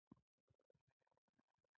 ښکاري د ځنګل یو پیاوړی څاروی دی.